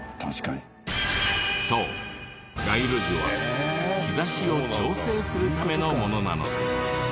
そう街路樹は日差しを調整するためのものなのです。